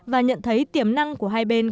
và nhận thấy tiềm năng của hai bên